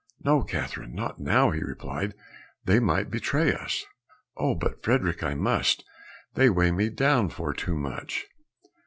"No, Catherine, not now," he replied, "they might betray us." "Oh, but, Frederick, I must! They weigh me down far too much."